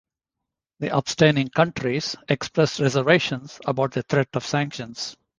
The abstaining countries expressed reservations about the threat of sanctions.